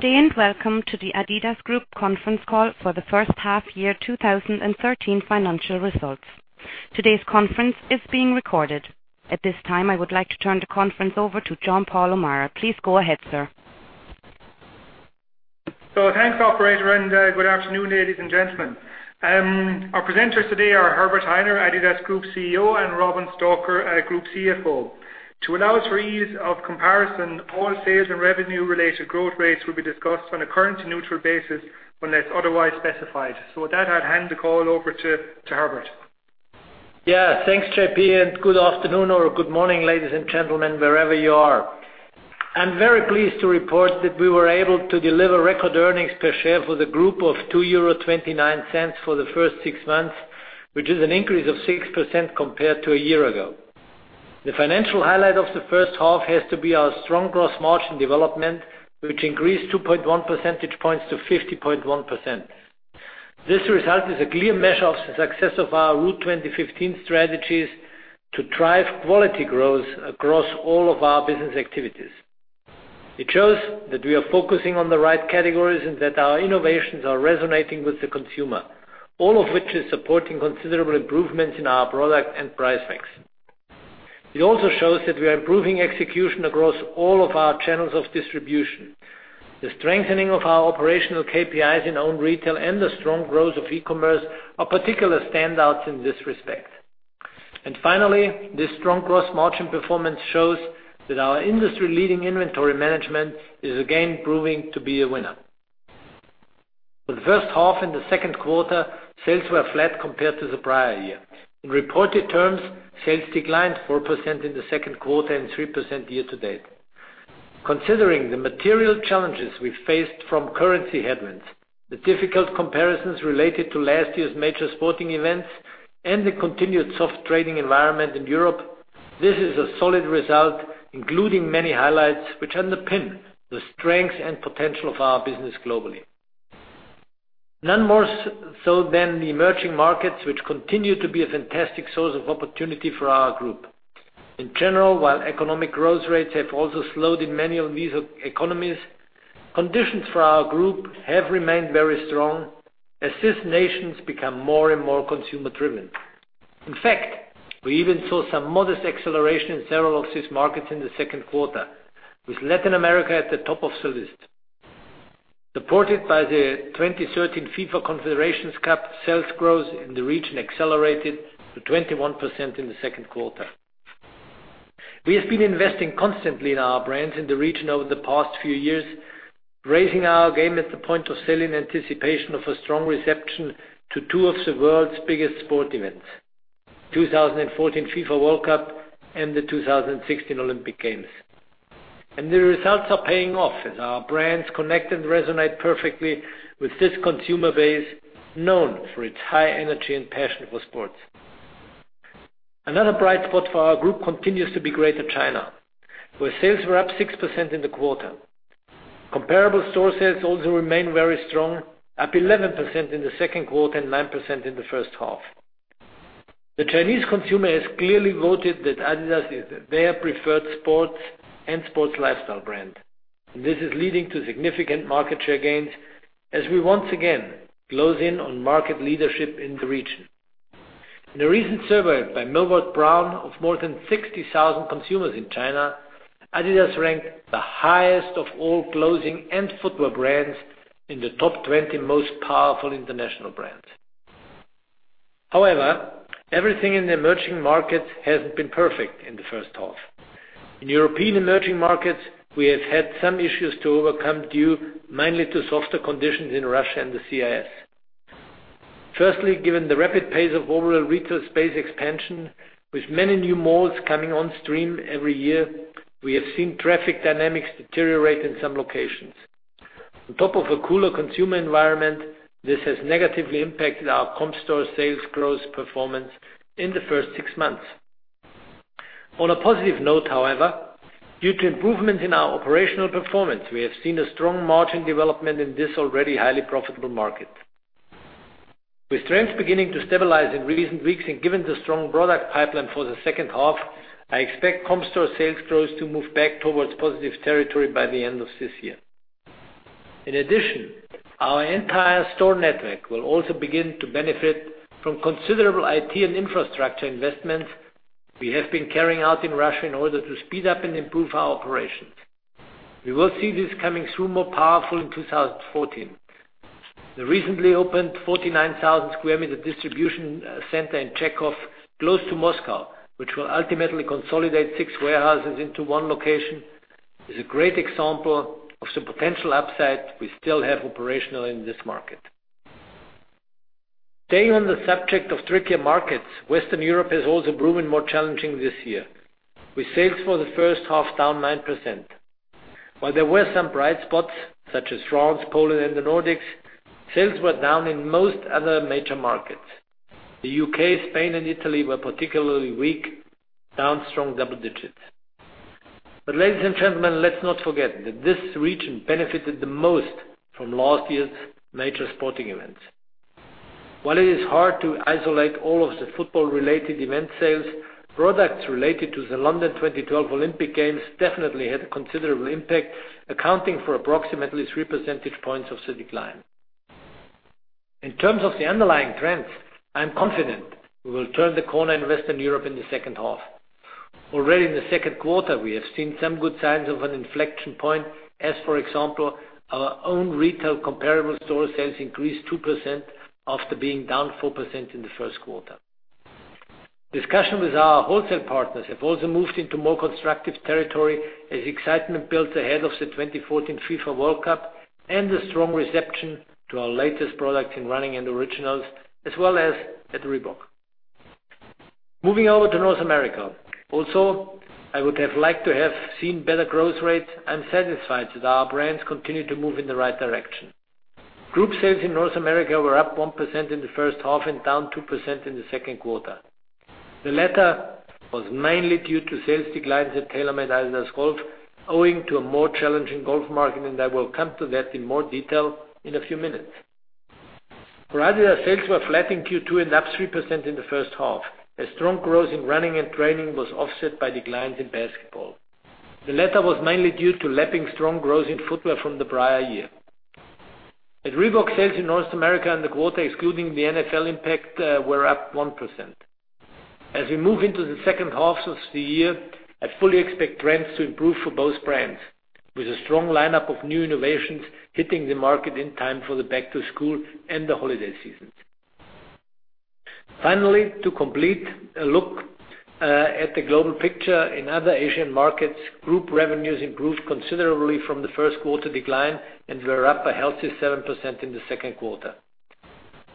Good day. Welcome to the Adidas Group conference call for the first half year 2013 financial results. Today's conference is being recorded. At this time, I would like to turn the conference over to John-Paul O'Meara. Please go ahead, sir. Thanks, operator. Good afternoon, ladies and gentlemen. Our presenters today are Herbert Hainer, Adidas Group CEO, and Robin Stalker, Group CFO. To allow for ease of comparison, all sales and revenue-related growth rates will be discussed on a currency-neutral basis unless otherwise specified. With that, I'll hand the call over to Herbert. Thanks, J.P. Good afternoon or good morning, ladies and gentlemen, wherever you are. I'm very pleased to report that we were able to deliver record earnings per share for the group of 2.29 euro for the first six months, which is an increase of 6% compared to a year ago. The financial highlight of the first half has to be our strong gross margin development, which increased 2.1 percentage points to 50.1%. This result is a clear measure of success of our Route 2015 strategies to drive quality growth across all of our business activities. It shows that we are focusing on the right categories and that our innovations are resonating with the consumer, all of which is supporting considerable improvements in our product and price mix. It also shows that we are improving execution across all of our channels of distribution. The strengthening of our operational KPIs in own retail and the strong growth of e-commerce are particular standouts in this respect. Finally, this strong gross margin performance shows that our industry-leading inventory management is again proving to be a winner. For the first half in the second quarter, sales were flat compared to the prior year. In reported terms, sales declined 4% in the second quarter and 3% year-to-date. Considering the material challenges we faced from currency headwinds, the difficult comparisons related to last year's major sporting events, and the continued soft trading environment in Europe, this is a solid result, including many highlights which underpin the strength and potential of our business globally. None more so than the emerging markets, which continue to be a fantastic source of opportunity for our group. In general, while economic growth rates have also slowed in many of these economies, conditions for our group have remained very strong as these nations become more and more consumer-driven. In fact, we even saw some modest acceleration in several of these markets in the second quarter, with Latin America at the top of the list. Supported by the 2013 FIFA Confederations Cup, sales growth in the region accelerated to 21% in the second quarter. We have been investing constantly in our brands in the region over the past few years, raising our game at the point of sale in anticipation of a strong reception to two of the world's biggest sport events: 2014 FIFA World Cup and the 2016 Olympic Games. The results are paying off as our brands connect and resonate perfectly with this consumer base, known for its high energy and passion for sports. Another bright spot for our group continues to be Greater China, where sales were up 6% in the quarter. Comparable store sales also remain very strong, up 11% in the second quarter and 9% in the first half. The Chinese consumer has clearly voted that adidas is their preferred sports and sports lifestyle brand, and this is leading to significant market share gains as we once again close in on market leadership in the region. In a recent survey by Millward Brown of more than 60,000 consumers in China, adidas ranked the highest of all clothing and footwear brands in the top 20 most powerful international brands. Everything in the emerging markets hasn't been perfect in the first half. In European emerging markets, we have had some issues to overcome, due mainly to softer conditions in Russia and the CIS. Given the rapid pace of overall retail space expansion, with many new malls coming on stream every year, we have seen traffic dynamics deteriorate in some locations. On top of a cooler consumer environment, this has negatively impacted our comp store sales growth performance in the first six months. On a positive note, however, due to improvements in our operational performance, we have seen a strong margin development in this already highly profitable market. With trends beginning to stabilize in recent weeks and given the strong product pipeline for the second half, I expect comp store sales growth to move back towards positive territory by the end of this year. In addition, our entire store network will also begin to benefit from considerable IT and infrastructure investments we have been carrying out in Russia in order to speed up and improve our operations. We will see this coming through more powerful in 2014. The recently opened 49,000 square meter distribution center in Chekhov, close to Moscow, which will ultimately consolidate six warehouses into one location, is a great example of the potential upside we still have operationally in this market. Staying on the subject of trickier markets, Western Europe has also proven more challenging this year, with sales for the first half down 9%. While there were some bright spots such as France, Poland, and the Nordics, sales were down in most other major markets. The U.K., Spain, and Italy were particularly weak, down strong double digits. Ladies and gentlemen, let's not forget that this region benefited the most from last year's major sporting events. While it is hard to isolate all of the football-related event sales, products related to the London 2012 Olympic Games definitely had a considerable impact, accounting for approximately three percentage points of the decline. In terms of the underlying trends, I'm confident we will turn the corner in Western Europe in the second half. Already in the second quarter, we have seen some good signs of an inflection point. For example, our own retail comparable store sales increased 2% after being down 4% in the first quarter. Discussion with our wholesale partners have also moved into more constructive territory as excitement builds ahead of the 2014 FIFA World Cup and the strong reception to our latest product in running and Originals as well as at Reebok. Moving over to North America. Also, I would have liked to have seen better growth rates. I'm satisfied that our brands continue to move in the right direction. Group sales in North America were up 1% in the first half and down 2% in the second quarter. The latter was mainly due to sales declines at TaylorMade-adidas Golf owing to a more challenging golf market, and I will come to that in more detail in a few minutes. For adidas, sales were flat in Q2 and up 3% in the first half, as strong growth in running and training was offset by declines in basketball. The latter was mainly due to lapping strong growth in footwear from the prior year. At Reebok, sales in North America in the quarter, excluding the NFL impact, were up 1%. We move into the second half of the year, I fully expect trends to improve for both brands, with a strong lineup of new innovations hitting the market in time for the back-to-school and the holiday seasons. Finally, to complete a look at the global picture in other Asian markets, group revenues improved considerably from the first quarter decline and were up a healthy 7% in the second quarter.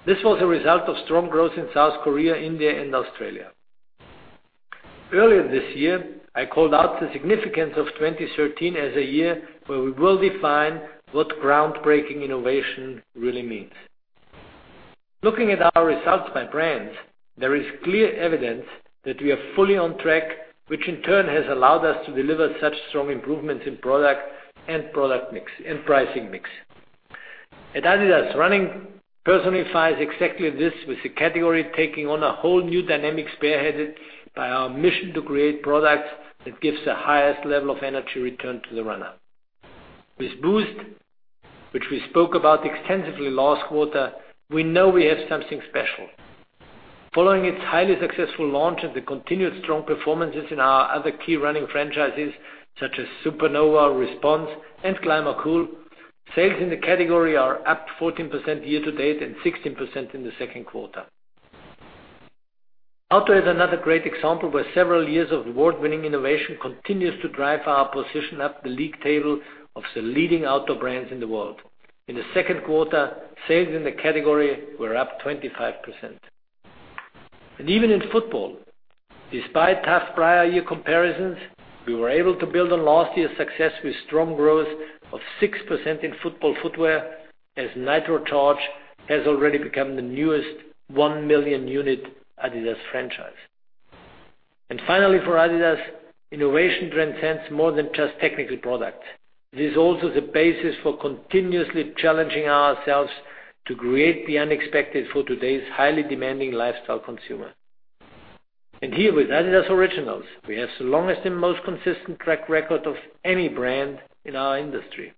This was a result of strong growth in South Korea, India, and Australia. Earlier this year, I called out the significance of 2013 as a year where we will define what groundbreaking innovation really means. Looking at our results by brands, there is clear evidence that we are fully on track, which in turn has allowed us to deliver such strong improvements in product and pricing mix. At adidas, running personifies exactly this with the category taking on a whole new dynamic spearheaded by our mission to create products that gives the highest level of energy return to the runner. With Boost, which we spoke about extensively last quarter, we know we have something special. Following its highly successful launch and the continued strong performances in our other key running franchises such as Supernova, Response, and ClimaCool, sales in the category are up 14% year to date and 16% in the second quarter. Outdoor is another great example where several years of award-winning innovation continues to drive our position up the league table of the leading outdoor brands in the world. In the second quarter, sales in the category were up 25%. Even in football, despite tough prior year comparisons, we were able to build on last year's success with strong growth of 6% in football footwear as Nitrocharge has already become the newest 1 million unit adidas Franchise. Finally, for adidas, innovation transcends more than just technical product. It is also the basis for continuously challenging ourselves to create the unexpected for today's highly demanding lifestyle consumer. Here with adidas Originals, we have the longest and most consistent track record of any brand in our industry.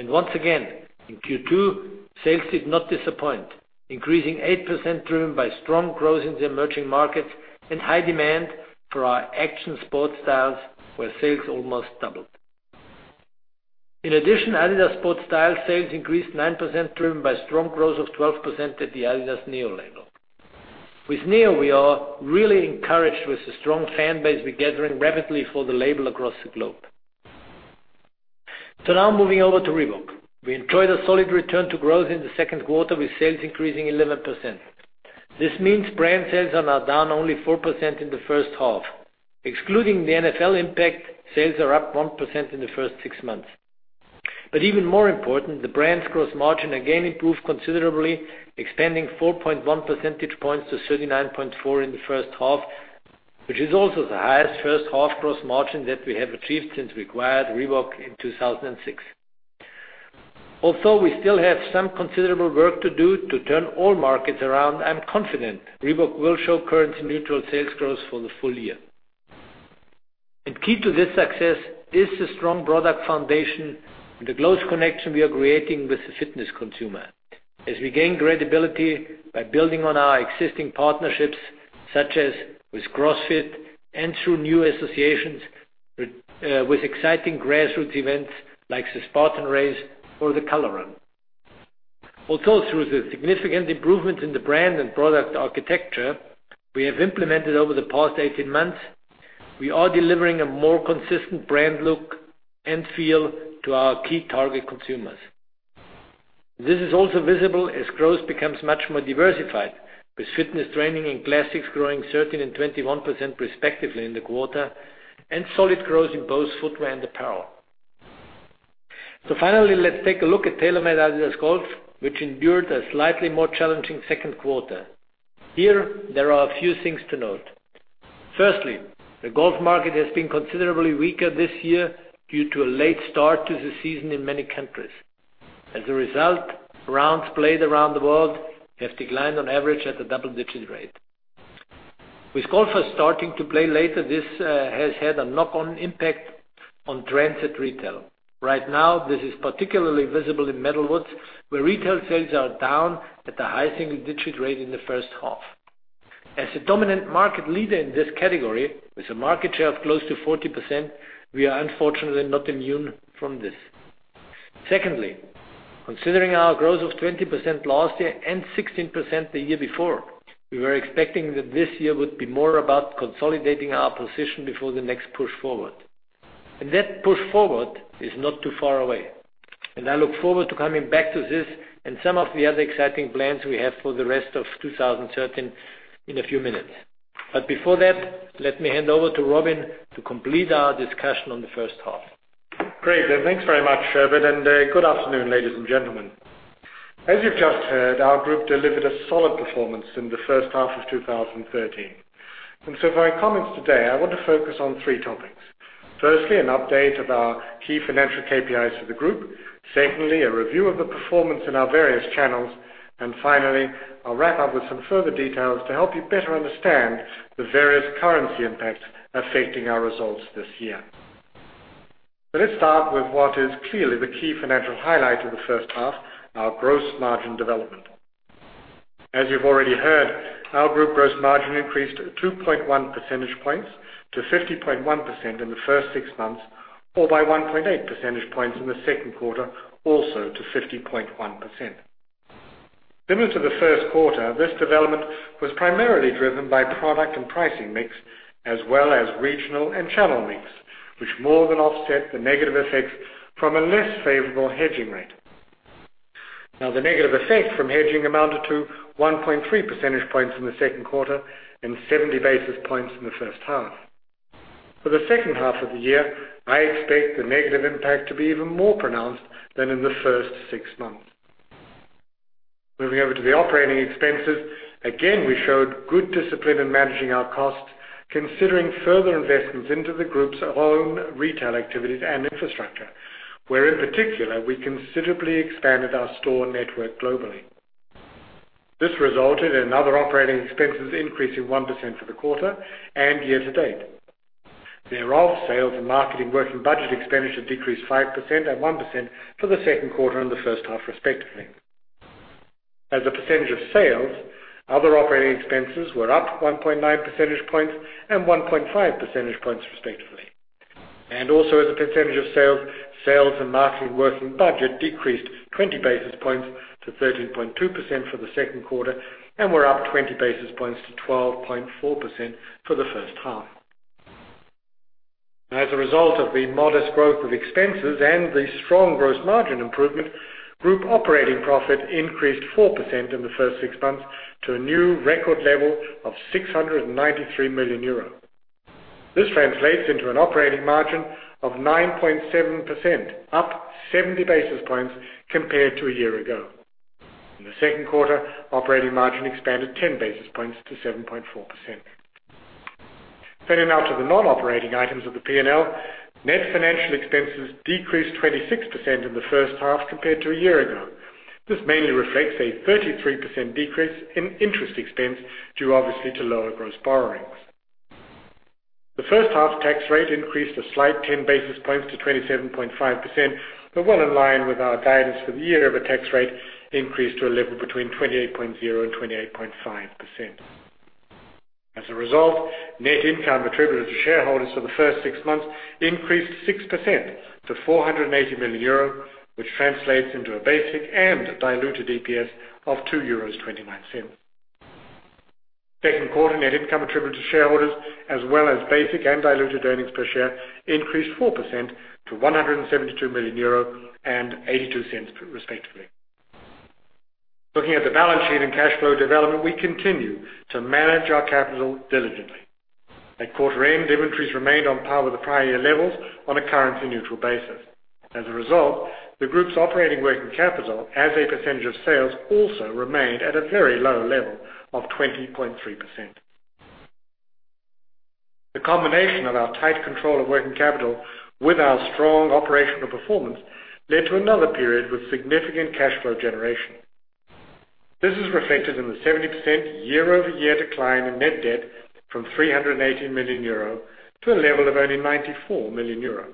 Once again, in Q2, sales did not disappoint, increasing 8% driven by strong growth in the emerging markets and high demand for our action sport styles where sales almost doubled. In addition, adidas Sport Performance sales increased 9% driven by strong growth of 12% at the adidas NEO label. With NEO, we are really encouraged with the strong fan base we're gathering rapidly for the label across the globe. Now moving over to Reebok. We enjoyed a solid return to growth in the second quarter with sales increasing 11%. This means brand sales are now down only 4% in the first half. Excluding the NFL impact, sales are up 1% in the first six months. Even more important, the brand's gross margin again improved considerably, expanding 4.1 percentage points to 39.4% in the first half, which is also the highest first half gross margin that we have achieved since we acquired Reebok in 2006. Although we still have some considerable work to do to turn all markets around, I'm confident Reebok will show currency neutral sales growth for the full year. Key to this success is the strong product foundation and the close connection we are creating with the fitness consumer as we gain credibility by building on our existing partnerships, such as with CrossFit and through new associations with exciting grassroots events like the Spartan Race or The Color Run. Also, through the significant improvements in the brand and product architecture we have implemented over the past 18 months, we are delivering a more consistent brand look and feel to our key target consumers. This is also visible as growth becomes much more diversified with fitness, training, and classics growing 13% and 21% respectively in the quarter, and solid growth in both footwear and apparel. Finally, let's take a look at TaylorMade-adidas Golf, which endured a slightly more challenging second quarter. Here, there are a few things to note. Firstly, the golf market has been considerably weaker this year due to a late start to the season in many countries. As a result, rounds played around the world have declined on average at a double-digit rate. With golfers starting to play later, this has had a knock-on impact on trends at retail. Right now, this is particularly visible in metalwoods, where retail sales are down at a high single-digit rate in the first half. As a dominant market leader in this category, with a market share of close to 40%, we are unfortunately not immune from this. Secondly, considering our growth of 20% last year and 16% the year before, we were expecting that this year would be more about consolidating our position before the next push forward. That push forward is not too far away, and I look forward to coming back to this and some of the other exciting plans we have for the rest of 2013 in a few minutes. Before that, let me hand over to Robin to complete our discussion on the first half. Great. Thanks very much, Herbert, and good afternoon, ladies and gentlemen. As you've just heard, our group delivered a solid performance in the first half of 2013. For my comments today, I want to focus on three topics. Firstly, an update of our key financial KPIs for the group. Secondly, a review of the performance in our various channels. Finally, I'll wrap up with some further details to help you better understand the various currency impacts affecting our results this year. Let's start with what is clearly the key financial highlight of the first half, our gross margin development. As you've already heard, our group gross margin increased 2.1 percentage points to 50.1% in the first six months, or by 1.8 percentage points in the second quarter, also to 50.1%. Similar to the first quarter, this development was primarily driven by product and pricing mix as well as regional and channel mix, which more than offset the negative effects from a less favorable hedging rate. The negative effect from hedging amounted to 1.3 percentage points in the second quarter and 70 basis points in the first half. For the second half of the year, I expect the negative impact to be even more pronounced than in the first six months. Moving over to the operating expenses, again, we showed good discipline in managing our costs, considering further investments into the group's own retail activities and infrastructure, where, in particular, we considerably expanded our store network globally. This resulted in other operating expenses increasing 1% for the quarter and year to date. Thereof, sales and marketing working budget expenditure decreased 5% and 1% for the second quarter and the first half, respectively. As a percentage of sales, other operating expenses were up 1.9 percentage points and 1.5 percentage points, respectively. Also as a percentage of sales and marketing working budget decreased 20 basis points to 13.2% for the second quarter and were up 20 basis points to 12.4% for the first half. As a result of the modest growth of expenses and the strong gross margin improvement, group operating profit increased 4% in the first six months to a new record level of 693 million euro. This translates into an operating margin of 9.7%, up 70 basis points compared to a year ago. In the second quarter, operating margin expanded 10 basis points to 7.4%. Turning now to the non-operating items of the P&L, net financial expenses decreased 26% in the first half compared to a year ago. This mainly reflects a 33% decrease in interest expense due obviously to lower gross borrowings. The first half tax rate increased a slight 10 basis points to 27.5%, but well in line with our guidance for the year over tax rate increased to a level between 28.0% and 28.5%. As a result, net income attributable to shareholders for the first six months increased 6% to 480 million euro, which translates into a basic and diluted EPS of 2.29 euros. Second quarter net income attributable to shareholders as well as basic and diluted earnings per share increased 4% to 172 million euro and 0.82 respectively. Looking at the balance sheet and cash flow development, we continue to manage our capital diligently. At quarter end, inventories remained on par with the prior year levels on a currency neutral basis. As a result, the group's operating working capital as a percentage of sales also remained at a very low level of 20.3%. The combination of our tight control of working capital with our strong operational performance led to another period with significant cash flow generation. This is reflected in the 70% year-over-year decline in net debt from 380 million euro to a level of only 94 million euro.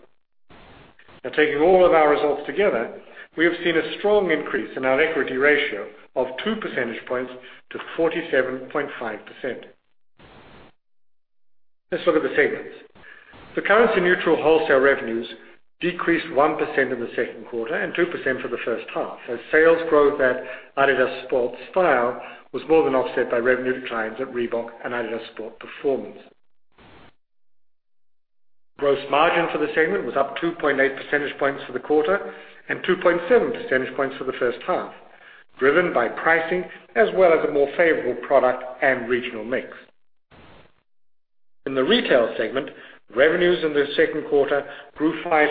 Taking all of our results together, we have seen a strong increase in our equity ratio of 2 percentage points to 47.5%. Let's look at the segments. The currency neutral wholesale revenues decreased 1% in the second quarter and 2% for the first half as sales growth at adidas Sport Style was more than offset by revenue declines at Reebok and adidas Sport Performance. Gross margin for the segment was up 2.8 percentage points for the quarter and 2.7 percentage points for the first half, driven by pricing as well as a more favorable product and regional mix. In the retail segment, revenues in the second quarter grew 5%.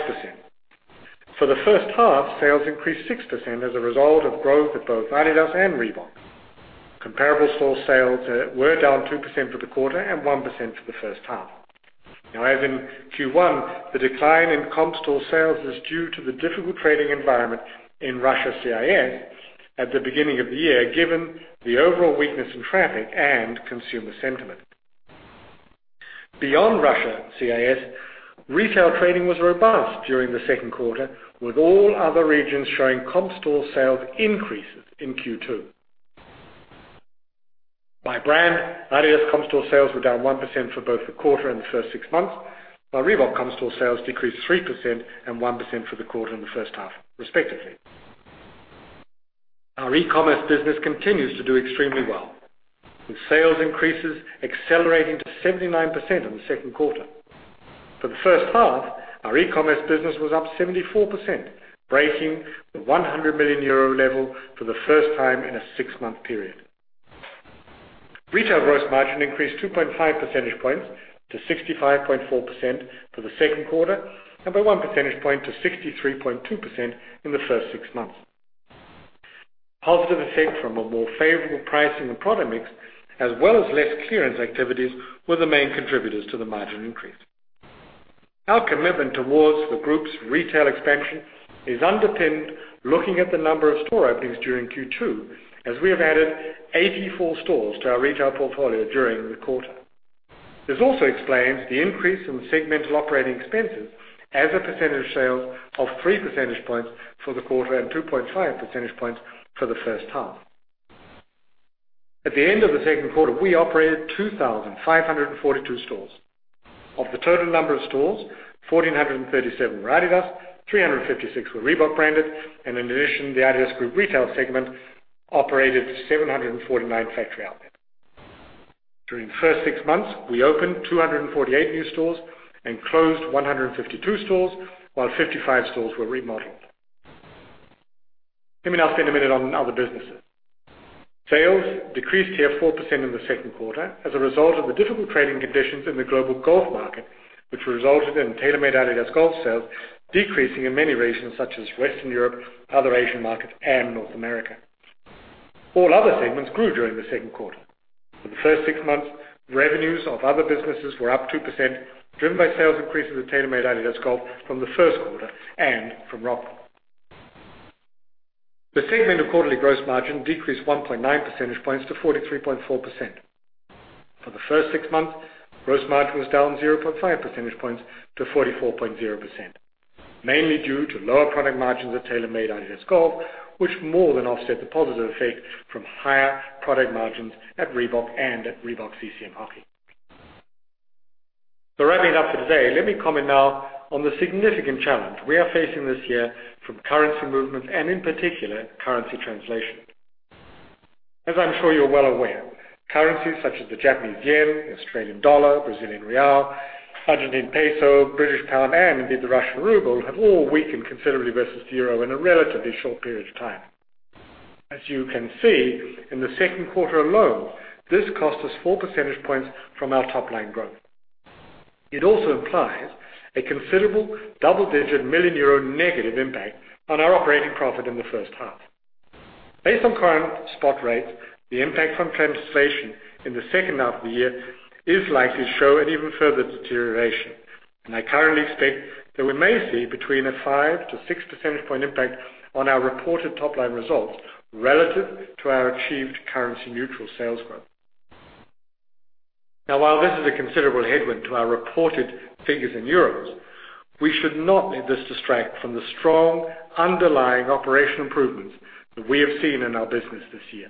For the first half, sales increased 6% as a result of growth at both adidas and Reebok. Comparable store sales were down 2% for the quarter and 1% for the first half. As in Q1, the decline in Comparable store sales is due to the difficult trading environment in Russia CIS at the beginning of the year, given the overall weakness in traffic and consumer sentiment. Beyond Russia CIS, retail trading was robust during the second quarter, with all other regions showing Comparable store sales increases in Q2. By brand, adidas Comparable store sales were down 1% for both the quarter and the first six months, while Reebok Comparable store sales decreased 3% and 1% for the quarter and the first half, respectively. Our e-commerce business continues to do extremely well, with sales increases accelerating to 79% in the second quarter. For the first half, our e-commerce business was up 74%, breaking the 100 million euro level for the first time in a six-month period. Retail gross margin increased 2.5 percentage points to 65.4% for the second quarter and by 1 percentage point to 63.2% in the first six months. Positive effect from a more favorable pricing and product mix, as well as less clearance activities, were the main contributors to the margin increase. Our commitment towards the Group's retail expansion is underpinned looking at the number of store openings during Q2, as we have added 84 stores to our retail portfolio during the quarter. This also explains the increase in segmental operating expenses as a percentage of sales of 3 percentage points for the quarter and 2.5 percentage points for the first half. At the end of the second quarter, we operated 2,542 stores. Of the total number of stores, 1,437 were adidas, 356 were Reebok branded, and in addition, the adidas Group retail segment operated 749 factory outlets. During the first six months, we opened 248 new stores and closed 152 stores, while 55 stores were remodeled. Let me now spend a minute on other businesses. Sales decreased here 4% in the second quarter as a result of the difficult trading conditions in the global golf market, which resulted in TaylorMade-adidas Golf sales decreasing in many regions such as Western Europe, other Asian markets, and North America. All other segments grew during the second quarter. For the first six months, revenues of other businesses were up 2%, driven by sales increases at TaylorMade-adidas Golf from the first quarter and from Rockport. The segment of quarterly gross margin decreased 1.9 percentage points to 43.4%. For the first six months, gross margin was down 0.5 percentage points to 44.0%, mainly due to lower product margins at TaylorMade-adidas Golf, which more than offset the positive effect from higher product margins at Reebok and at Reebok-CCM Hockey. Wrapping it up for today, let me comment now on the significant challenge we are facing this year from currency movements and in particular, currency translation. As I'm sure you're well aware, currencies such as the Japanese yen, the Australian dollar, Brazilian real, Argentinian peso, British pound, and indeed the Russian ruble, have all weakened considerably versus the euro in a relatively short period of time. As you can see, in the second quarter alone, this cost us four percentage points from our top-line growth. It also implies a considerable double-digit million EUR negative impact on our operating profit in the first half. Based on current spot rates, the impact from translation in the second half of the year is likely to show an even further deterioration, and I currently expect that we may see between a 5%-6% percentage point impact on our reported top-line results relative to our achieved currency neutral sales growth. While this is a considerable headwind to our reported figures in euros, we should not let this distract from the strong underlying operational improvements that we have seen in our business this year.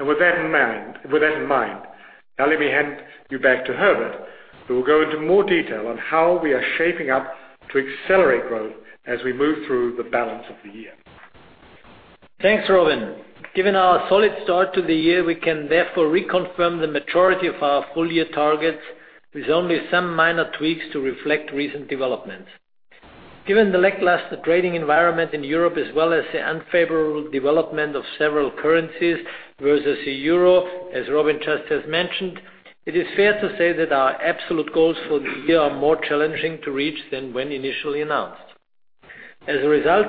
With that in mind, now let me hand you back to Herbert, who will go into more detail on how we are shaping up to accelerate growth as we move through the balance of the year. Thanks, Robin. Given our solid start to the year, we can therefore reconfirm the maturity of our full-year targets with only some minor tweaks to reflect recent developments. Given the lackluster trading environment in Europe as well as the unfavorable development of several currencies versus the EUR, as Robin just has mentioned, it is fair to say that our absolute goals for the year are more challenging to reach than when initially announced. As a result,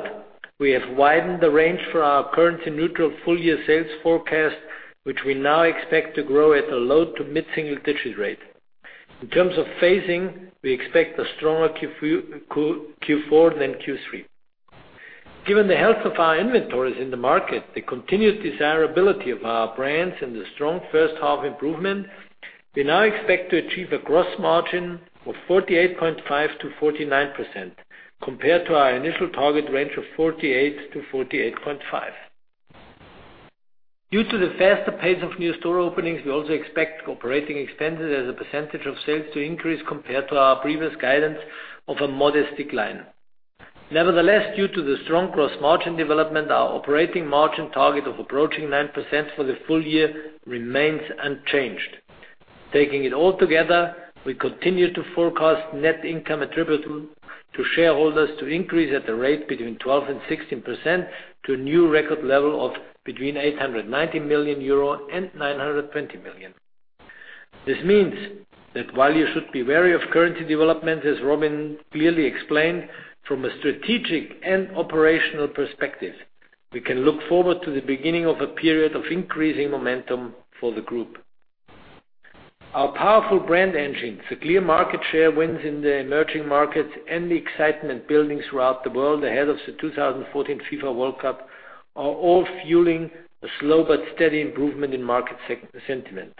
we have widened the range for our currency neutral full-year sales forecast, which we now expect to grow at a low- to mid-single-digit rate. In terms of phasing, we expect a stronger Q4 than Q3. Given the health of our inventories in the market, the continued desirability of our brands, and the strong first-half improvement, we now expect to achieve a gross margin of 48.5%-49%, compared to our initial target range of 48%-48.5%. Due to the faster pace of new store openings, we also expect operating expenses as a percentage of sales to increase compared to our previous guidance of a modest decline. Nevertheless, due to the strong gross margin development, our operating margin target of approaching 9% for the full year remains unchanged. Taking it all together, we continue to forecast net income attributable to shareholders to increase at a rate between 12% and 16% to a new record level of between 890 million euro and 920 million. This means that while you should be wary of currency development, as Robin clearly explained, from a strategic and operational perspective, we can look forward to the beginning of a period of increasing momentum for the group. Our powerful brand engine, the clear market share wins in the emerging markets, and the excitement building throughout the world ahead of the 2014 FIFA World Cup, are all fueling a slow but steady improvement in market sentiment.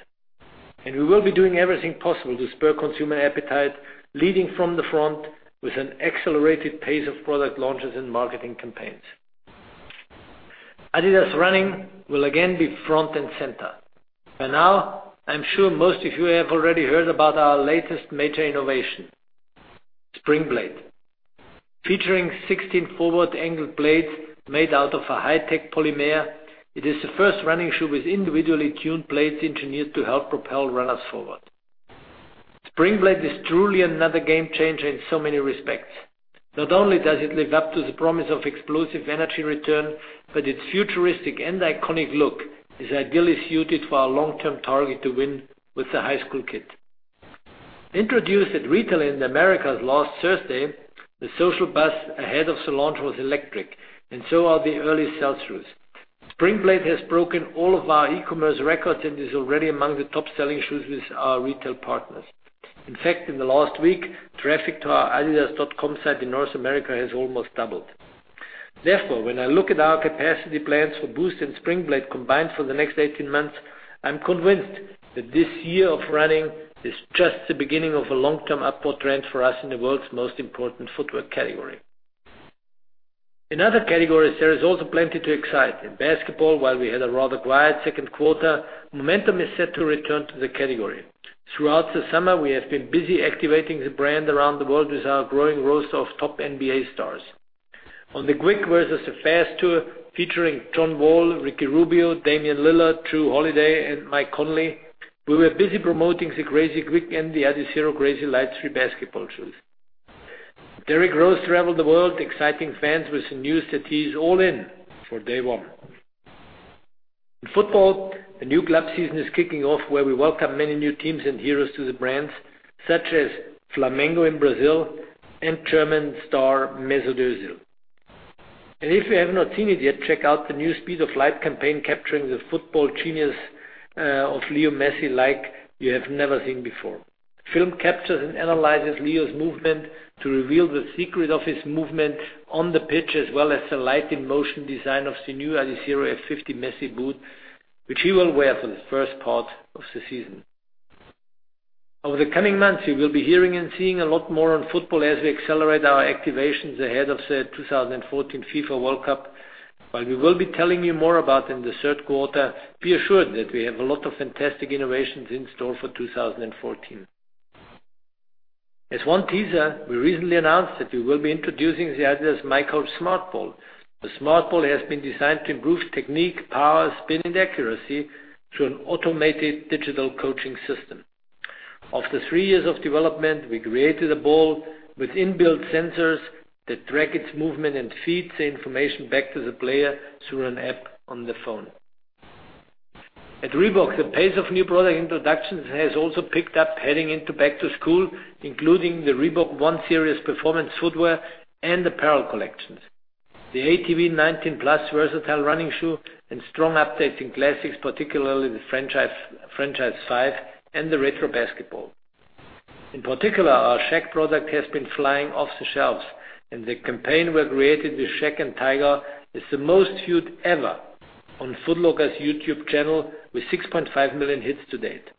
We will be doing everything possible to spur consumer appetite, leading from the front with an accelerated pace of product launches and marketing campaigns. Adidas running will again be front and center. By now, I'm sure most of you have already heard about our latest major innovation, Springblade. Featuring 16 forward-angled blades made out of a high-tech polymer, it is the first running shoe with individually tuned blades engineered to help propel runners forward. Springblade is truly another game-changer in so many respects. Not only does it live up to the promise of explosive energy return, but its futuristic and iconic look is ideally suited for our long-term target to win with the high school kid. Introduced at Retail in Americas last Thursday, the social buzz ahead of the launch was electric, and so are the early sell-throughs. Springblade has broken all of our e-commerce records and is already among the top-selling shoes with our retail partners. In fact, in the last week, traffic to our adidas.com site in North America has almost doubled. Therefore, when I look at our capacity plans for Boost and Springblade combined for the next 18 months, I am convinced that this year of running is just the beginning of a long-term upward trend for us in the world's most important footwear category. In other categories, there is also plenty to excite. In basketball, while we had a rather quiet second quarter, momentum is set to return to the category. Throughout the summer, we have been busy activating the brand around the world with our growing roster of top NBA stars. On the Quick vs. Fast tour, featuring John Wall, Ricky Rubio, Damian Lillard, Jrue Holiday, and Mike Conley, we were busy promoting the Crazylight and the adizero Crazy Light 3 basketball shoes. Derrick Rose traveled the world, exciting fans with some news that he is all in for day one. In football, the new club season is kicking off, where we welcome many new teams and heroes to the brands, such as Flamengo in Brazil and German star Mesut Özil. If you have not seen it yet, check out the new Speed of Light campaign capturing the football genius of Lionel Messi like you have never seen before. The film captures and analyzes Leo's movement to reveal the secret of his movement on the pitch, as well as the light in motion design of the new adizero F50 Messi boot, which he will wear for the first part of the season. Over the coming months, you will be hearing and seeing a lot more on football as we accelerate our activations ahead of the 2014 FIFA World Cup. While we will be telling you more about it in the third quarter, be assured that we have a lot of fantastic innovations in store for 2014. As one teaser, we recently announced that we will be introducing the adidas miCoach Smart Ball. The Smart Ball has been designed to improve technique, power, spin, and accuracy through an automated digital coaching system. After three years of development, we created a ball with inbuilt sensors that track its movement and feeds the information back to the player through an app on the phone. At Reebok, the pace of new product introductions has also picked up heading into back to school, including the Reebok One Series performance footwear and apparel collections, the ATV19+ versatile running shoe and strong updates in classics, particularly the Franchise 5 and the Retro basketball. In particular, our Shaq product has been flying off the shelves, and the campaign we created with Shaq and Tyga is the most viewed ever on Foot Locker's YouTube channel, with 6.5 million hits to date.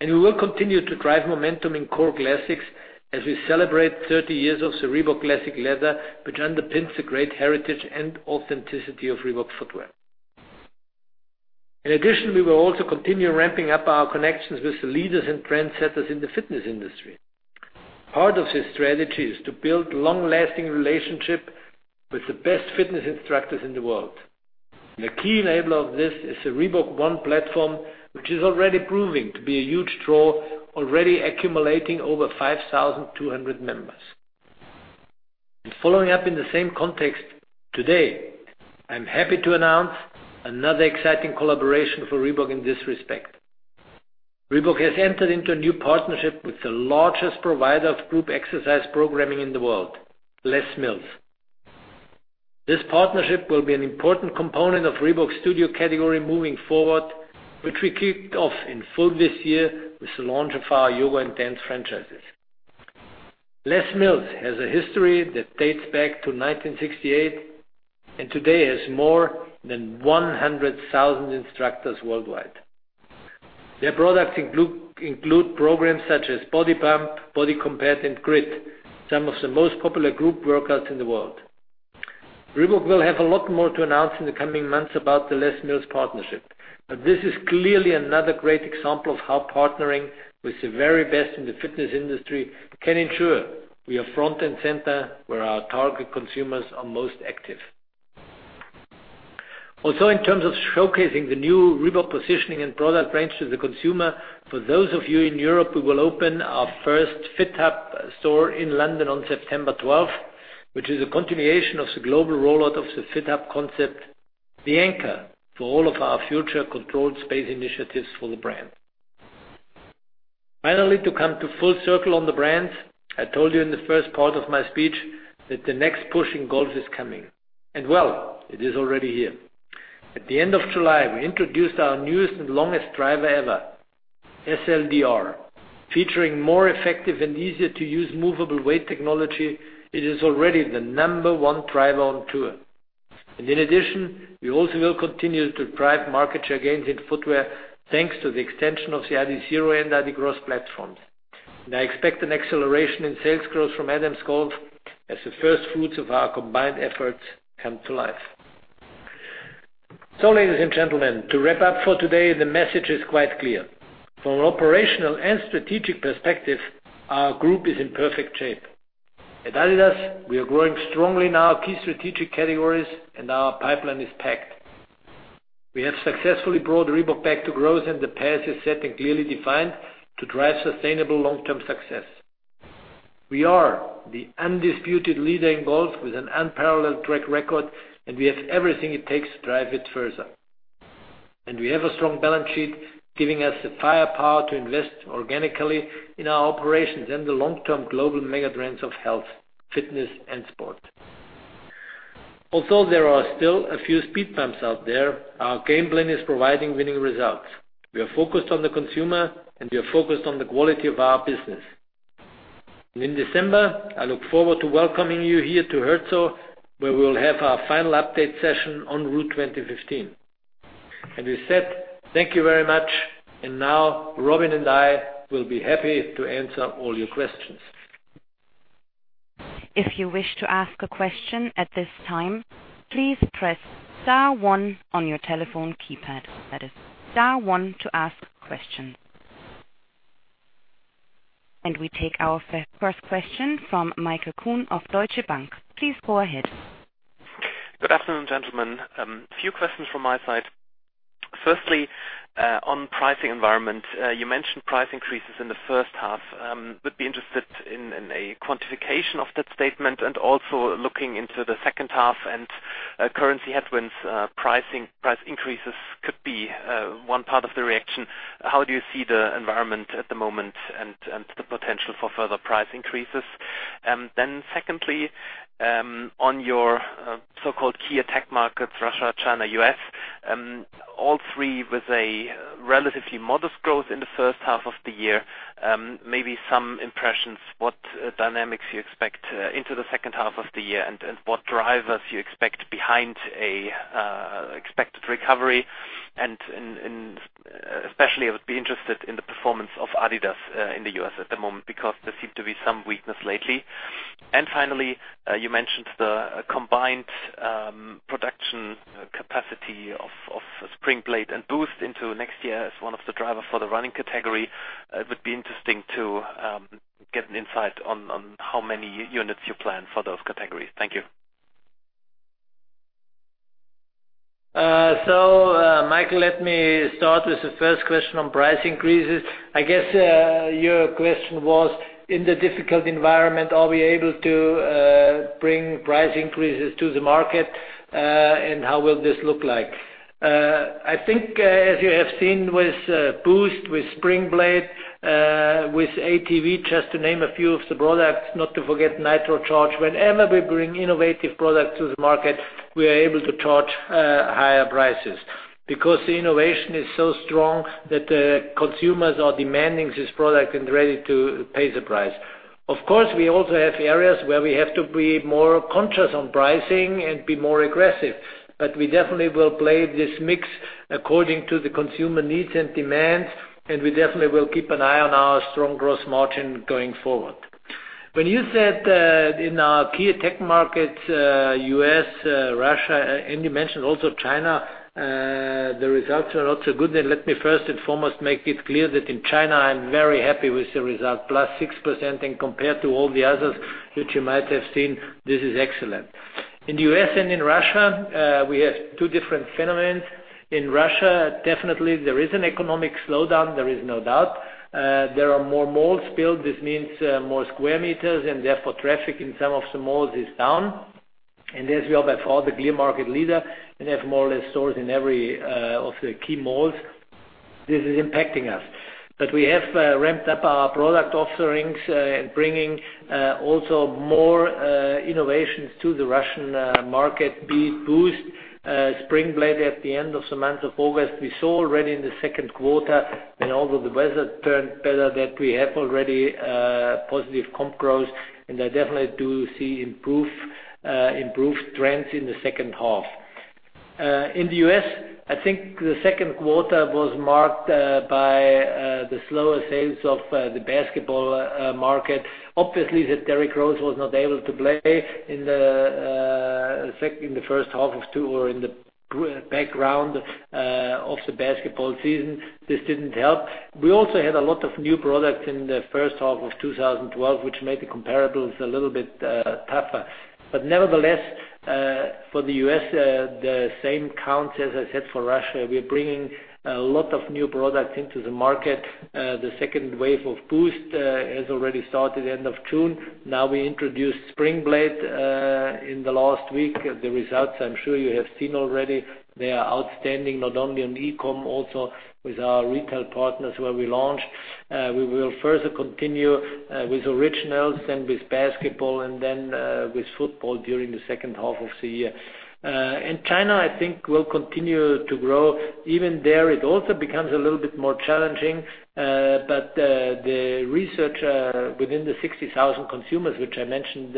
We will continue to drive momentum in core classics as we celebrate 30 years of the Reebok Classic Leather, which underpins the great heritage and authenticity of Reebok footwear. In addition, we will also continue ramping up our connections with the leaders and trendsetters in the fitness industry. Part of this strategy is to build long-lasting relationships with the best fitness instructors in the world. The key enabler of this is the Reebok One platform, which is already proving to be a huge draw, already accumulating over 5,200 members. Following up in the same context, today, I am happy to announce another exciting collaboration for Reebok in this respect. Reebok has entered into a new partnership with the largest provider of group exercise programming in the world, Les Mills. This partnership will be an important component of Reebok's studio category moving forward, which we kicked off in full this year with the launch of our yoga intense franchises. Les Mills has a history that dates back to 1968 and today has more than 100,000 instructors worldwide. Their products include programs such as BODYPUMP, BODYCOMBAT, and GRIT, some of the most popular group workouts in the world. This is clearly another great example of how partnering with the very best in the fitness industry can ensure we are front and center where our target consumers are most active. In terms of showcasing the new Reebok positioning and product range to the consumer, for those of you in Europe, we will open our first FitHub store in London on September 12th, which is a continuation of the global rollout of the FitHub concept, the anchor for all of our future controlled space initiatives for the brand. Finally, to come to full circle on the brands, I told you in the first part of my speech that the next push in golf is coming, well, it is already here. At the end of July, we introduced our newest and longest driver ever, SLDR. Featuring more effective and easier-to-use movable weight technology, it is already the number one driver on tour. In addition, we also will continue to drive market share gains in footwear, thanks to the extension of the adizero and Response platforms. I expect an acceleration in sales growth from Adams Golf as the first fruits of our combined efforts come to life. Ladies and gentlemen, to wrap up for today, the message is quite clear. From an operational and strategic perspective, our group is in perfect shape. At Adidas, we are growing strongly in our key strategic categories, and our pipeline is packed. We have successfully brought Reebok back to growth, and the path is set and clearly defined to drive sustainable long-term success. We are the undisputed leader in golf with an unparalleled track record, and we have everything it takes to drive it further. We have a strong balance sheet, giving us the firepower to invest organically in our operations and the long-term global mega trends of health, fitness, and sports. Although there are still a few speed bumps out there, our game plan is providing winning results. We are focused on the consumer, and we are focused on the quality of our business. In December, I look forward to welcoming you here to Herzogenaurach, where we will have our final update session on Route 2015. With that, thank you very much, Robin and I will be happy to answer all your questions. If you wish to ask a question at this time, please press star one on your telephone keypad. That is star one to ask questions. We take our first question from Michael Kuhn of Deutsche Bank. Please go ahead. Good afternoon, gentlemen. A few questions from my side. Firstly, on pricing environment. You mentioned price increases in the first half. Would be interested in a quantification of that statement and also looking into the second half and currency headwinds, price increases could be one part of the reaction. How do you see the environment at the moment and the potential for further price increases? Secondly, on your so-called key attack markets, Russia, China, U.S., all three with a relatively modest growth in the first half of the year. Maybe some impressions, what dynamics you expect into the second half of the year and what drivers you expect behind an expected recovery. Especially, I would be interested in the performance of adidas in the U.S. at the moment because there seemed to be some weakness lately. Finally, you mentioned the combined production capacity of Springblade and Boost into next year as one of the drivers for the running category. It would be interesting to get an insight on how many units you plan for those categories. Thank you. Michael, let me start with the first question on price increases. I guess your question was, in the difficult environment, are we able to bring price increases to the market, and how will this look like? I think as you have seen with Boost, with Springblade, with ATV, just to name a few of the products, not to forget Nitrocharge, whenever we bring innovative products to the market, we are able to charge higher prices because the innovation is so strong that the consumers are demanding this product and ready to pay the price. Of course, we also have areas where we have to be more conscious on pricing and be more aggressive. But we definitely will play this mix according to the consumer needs and demands, and we definitely will keep an eye on our strong gross margin going forward. When you said in our key tech markets, U.S., Russia, and you mentioned also China, the results are not so good. Let me first and foremost make it clear that in China, I'm very happy with the result, +6%, and compared to all the others that you might have seen, this is excellent. In the U.S. and in Russia, we have two different phenomenons. In Russia, definitely there is an economic slowdown, there is no doubt. There are more malls built, this means more square meters, and therefore, traffic in some of the malls is down. As we are by far the clear market leader and have more or less stores in every of the key malls, this is impacting us. We have ramped up our product offerings and bringing also more innovations to the Russian market, be it Boost, Springblade at the end of the month of August. We saw already in the second quarter that although the weather turned better, that we have already positive comp growth, I definitely do see improved trends in the second half. In the U.S., I think the second quarter was marked by the slower sales of the basketball market. Obviously, that Derrick Rose was not able to play in the background of the basketball season, this didn't help. We also had a lot of new products in the first half of 2012, which made the comparables a little bit tougher. Nevertheless, for the U.S., the same counts as I said for Russia. We're bringing a lot of new products into the market. The second wave of Boost has already started end of June. Introduced Springblade in the last week, the results I'm sure you have seen already, they are outstanding, not only on e-com, also with our retail partners where we launched. We will further continue with Originals, then with basketball, and then with football during the second half of the year. China, I think, will continue to grow. Even there, it also becomes a little bit more challenging. But the research within the 60,000 consumers, which I mentioned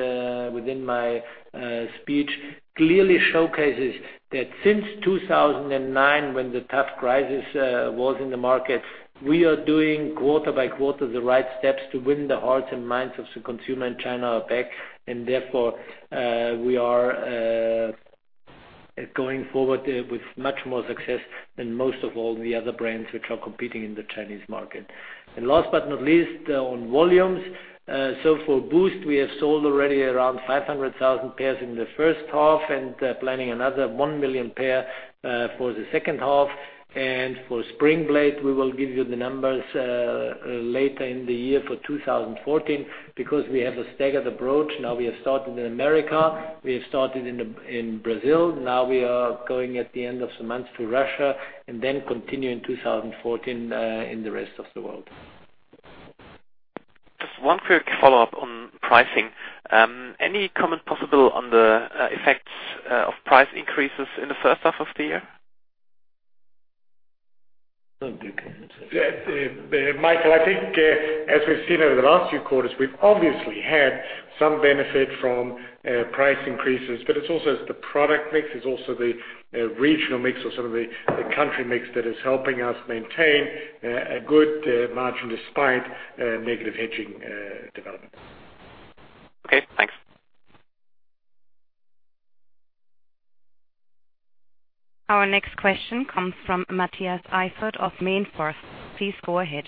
within my speech, clearly showcases that since 2009, when the tough crisis was in the market, we are doing quarter by quarter the right steps to win the hearts and minds of the consumer in China back. Therefore, we are going forward with much more success than most of all the other brands which are competing in the Chinese market. Last but not least, on volumes. For Boost, we have sold already around 500,000 pairs in the first half and planning another 1 million pair for the second half. For Springblade, we will give you the numbers later in the year for 2014 because we have a staggered approach. We have started in America, we have started in Brazil, we are going at the end of the month to Russia, then continue in 2014 in the rest of the world. Just one quick follow-up on pricing. Any comment possible on the effects of price increases in the first half of the year? No, okay. Michael, I think as we've seen over the last few quarters, we've obviously had some benefit from price increases, but it's also the product mix, it's also the regional mix or some of the country mix that is helping us maintain a good margin despite negative hedging developments. Okay, thanks. Our next question comes from Matthias Eifert of MainFirst. Please go ahead.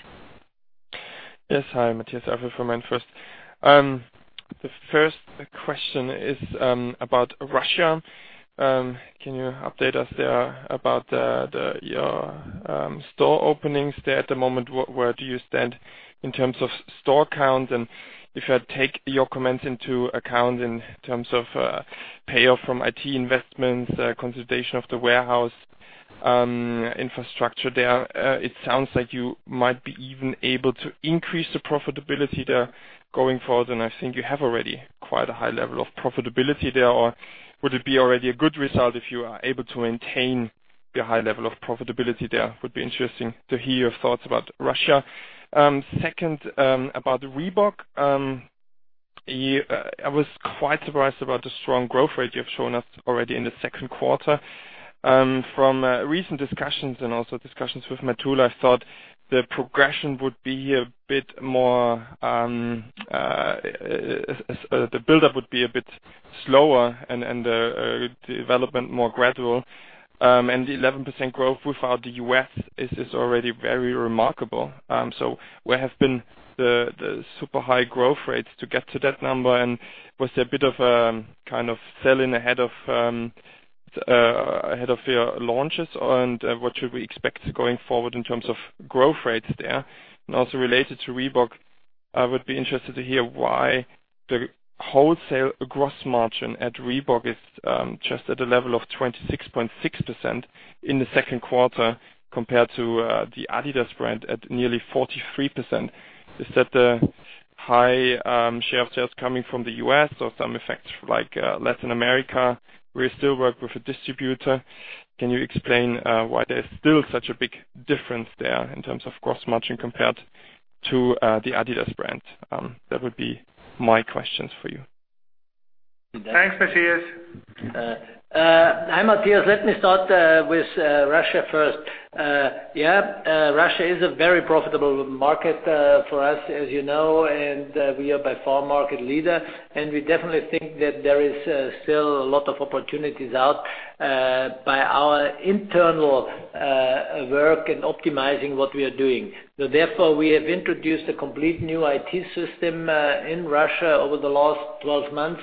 Yes. Hi, Matthias Eifert from MainFirst. The first question is about Russia. Can you update us there about your store openings there at the moment? Where do you stand in terms of store count? If I take your comments into account in terms of payoff from IT investments, consolidation of the warehouse infrastructure there, it sounds like you might be even able to increase the profitability there going forward, I think you have already quite a high level of profitability there, or would it be already a good result if you are able to maintain your high level of profitability there? Would be interesting to hear your thoughts about Russia. Second, about Reebok. I was quite surprised about the strong growth rate you have shown us already in the second quarter. From recent discussions and also discussions with Matula, I thought the progression would be a bit slower and the development more gradual. The 11% growth without the U.S. is already very remarkable. What have been the super high growth rates to get to that number, was there a bit of selling ahead of your launches, what should we expect going forward in terms of growth rates there? Also related to Reebok, I would be interested to hear why the wholesale gross margin at Reebok is just at a level of 26.6% in the second quarter compared to the adidas brand at nearly 43%. Is that the high share of sales coming from the U.S. or some effects like Latin America, where you still work with a distributor? Can you explain why there's still such a big difference there in terms of gross margin compared to the adidas brand? That would be my questions for you. Thanks, Matthias. Hi, Matthias. Let me start with Russia first. Russia is a very profitable market for us, as you know, and we are by far market leader. We definitely think that there is still a lot of opportunities out by our internal work and optimizing what we are doing. Therefore, we have introduced a complete new IT system in Russia over the last 12 months,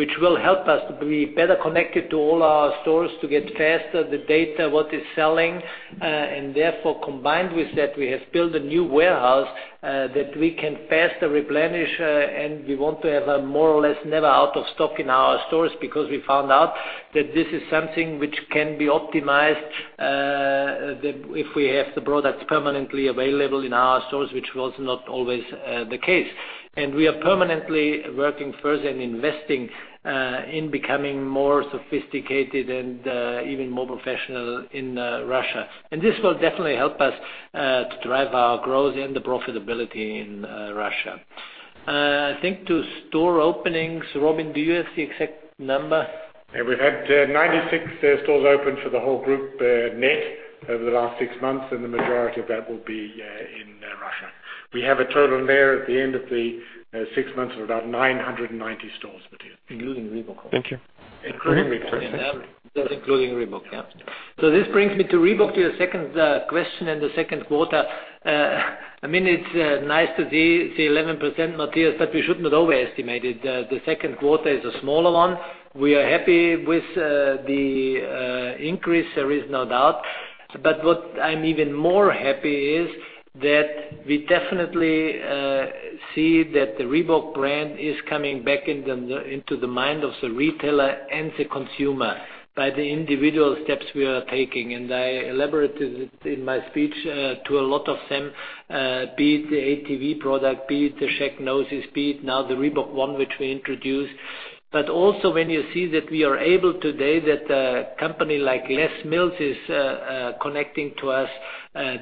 which will help us to be better connected to all our stores to get faster the data, what is selling. Therefore, combined with that, we have built a new warehouse that we can faster replenish. We want to have a more or less never out of stock in our stores because we found out that this is something which can be optimized, if we have the products permanently available in our stores, which was not always the case. We are permanently working further and investing in becoming more sophisticated and even more professional in Russia. This will definitely help us to drive our growth and the profitability in Russia. I think to store openings, Robin, do you have the exact number? We've had 96 stores open for the whole group net over the last six months. The majority of that will be in Russia. We have a total there at the end of the six months of about 990 stores, Matthias. Including Reebok. Thank you. Including. That's including Reebok, yeah. This brings me to Reebok, to your second question and the second quarter. It's nice to see 11%, Matthias. We should not overestimate it. The second quarter is a smaller one. We are happy with the increase, there is no doubt. What I'm even more happy is that we definitely see that the Reebok brand is coming back into the mind of the retailer and the consumer by the individual steps we are taking. I elaborated in my speech to a lot of them, be it the ATV product, be it the Shaqnosis, be it now the Reebok One, which we introduced. Also when you see that we are able today that a company like Les Mills is connecting to us,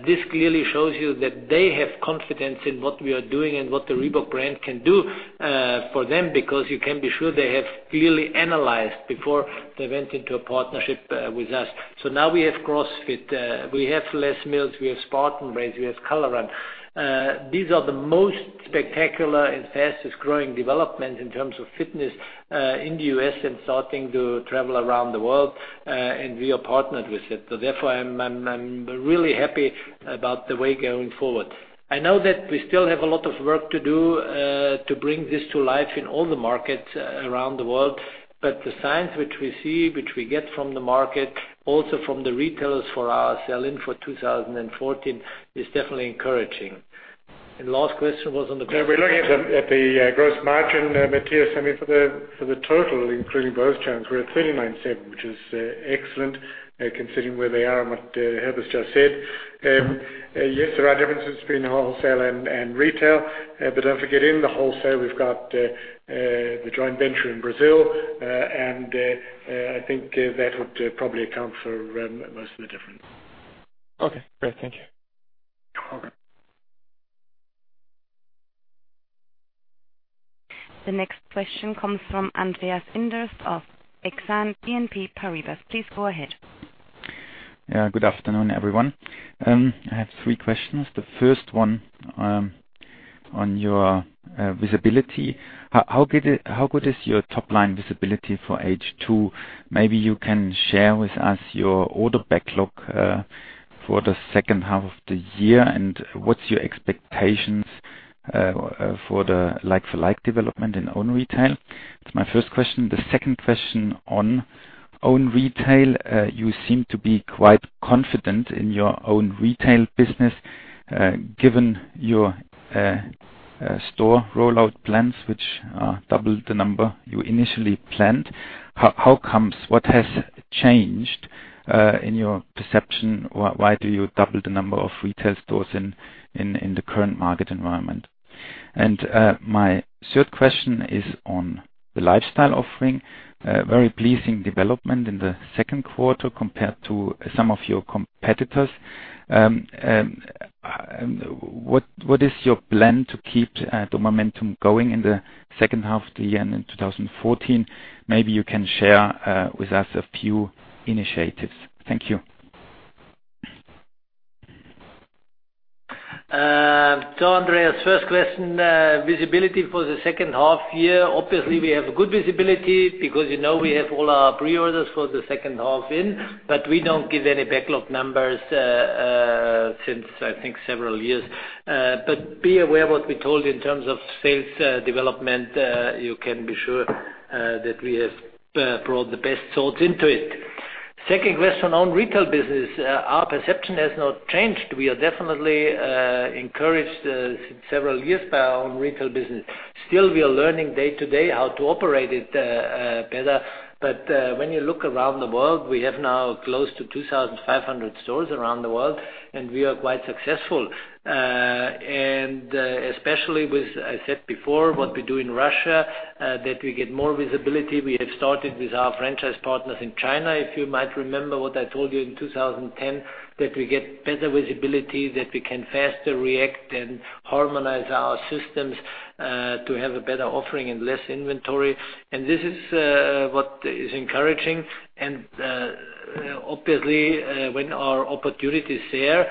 this clearly shows you that they have confidence in what we are doing and what the Reebok brand can do for them, because you can be sure they have clearly analyzed before they went into a partnership with us. Now we have CrossFit, we have Les Mills, we have Spartan Race, we have The Color Run. These are the most spectacular and fastest-growing developments in terms of fitness in the U.S. and starting to travel around the world. We are partnered with it. Therefore I'm really happy about the way going forward. I know that we still have a lot of work to do to bring this to life in all the markets around the world. The signs which we see, which we get from the market, also from the retailers for our sell-in for 2014, is definitely encouraging. No, we're looking at the gross margin, Matthias, I mean, for the total, including both channels, we're at 39.7%, which is excellent considering where they are and what Herbert just said. There are differences between wholesale and retail, don't forget, in the wholesale, we've got the joint venture in Brazil, I think that would probably account for most of the difference. Okay, great. Thank you. Welcome. The next question comes from Andreas Enders of Exane BNP Paribas. Please go ahead. Good afternoon, everyone. I have three questions. The first one on your visibility. How good is your top-line visibility for H2? Maybe you can share with us your order backlog for the second half of the year. What's your expectations for the like-for-like development in own retail? That's my first question. The second question on own retail. You seem to be quite confident in your own retail business, given your store rollout plans, which doubled the number you initially planned. What has changed in your perception? Why do you double the number of retail stores in the current market environment? My third question is on the lifestyle offering. Very pleasing development in the second quarter compared to some of your competitors. What is your plan to keep the momentum going in the second half of the year and in 2014? Maybe you can share with us a few initiatives. Thank you. Andreas, first question, visibility for the second half year. Obviously, we have good visibility because we have all our pre-orders for the second half in, but we don't give any backlog numbers since I think several years. Be aware what we told in terms of sales development, you can be sure that we have brought the best thoughts into it. Second question on retail business. Our perception has not changed. We are definitely encouraged since several years by our own retail business. Still, we are learning day to day how to operate it better. When you look around the world, we have now close to 2,500 stores around the world, and we are quite successful. Especially with, I said before, what we do in Russia, that we get more visibility. We have started with our franchise partners in China. If you might remember what I told you in 2010, that we get better visibility, that we can faster react and harmonize our systems to have a better offering and less inventory. This is what is encouraging. Obviously, when our opportunity is there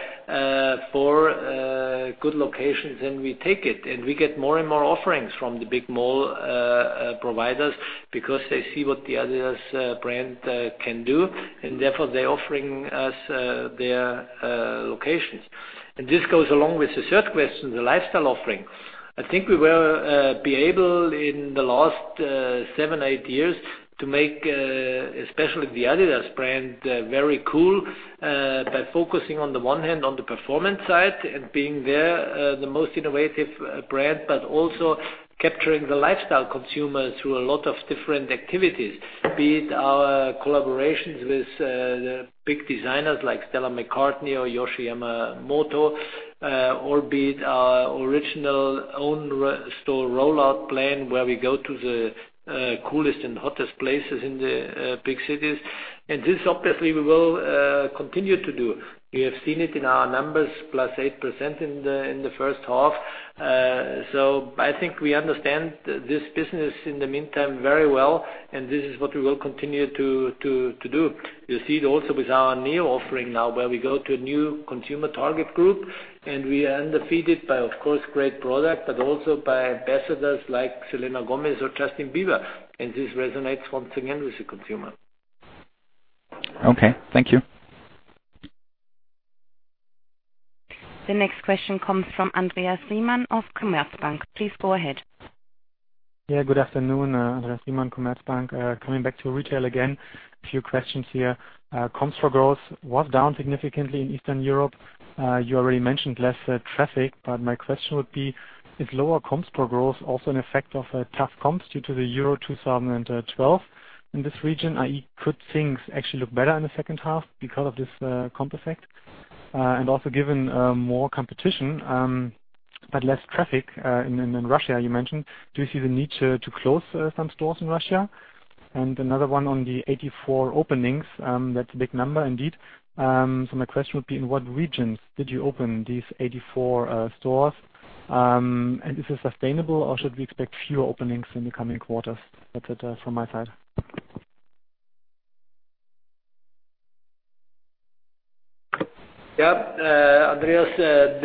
for good locations, then we take it. We get more and more offerings from the big mall providers because they see what the adidas brand can do, and therefore they're offering us their locations. This goes along with the third question, the lifestyle offerings. I think we were able in the last seven, eight years to make especially the adidas brand very cool by focusing on the one hand on the performance side and being the most innovative brand, but also capturing the lifestyle consumer through a lot of different activities. Be it our collaborations with big designers like Stella McCartney or Yohji Yamamoto, or be it our original own store rollout plan where we go to the coolest and hottest places in the big cities. This, obviously, we will continue to do. We have seen it in our numbers, plus 8% in the first half. I think we understand this business in the meantime very well, and this is what we will continue to do. You see it also with our NEO offering now where we go to a new consumer target group, and we are undefeated by, of course, great product, but also by ambassadors like Selena Gomez or Justin Bieber. This resonates once again with the consumer. Okay. Thank you. The next question comes from Andreas Riemann of Commerzbank. Please go ahead. Good afternoon. Andreas Riemann, Commerzbank. Coming back to retail again, a few questions here. Comps growth was down significantly in Eastern Europe. You already mentioned less traffic, but my question would be, is lower comps growth also an effect of tough comps due to the Euro 2012 in this region? I.e., could things actually look better in the second half because of this comp effect? Also given more competition, but less traffic in Russia, you mentioned. Do you see the need to close some stores in Russia? Another one on the 84 openings. That's a big number, indeed. My question would be, in what regions did you open these 84 stores? Is this sustainable, or should we expect fewer openings in the coming quarters? That's it from my side. Andreas,